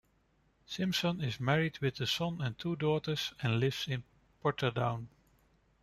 Simpson is married with a son and two daughters, and lives in Portadown.